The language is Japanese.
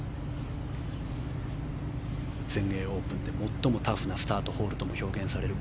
全英オープンで最もタフなスタートホールと表現される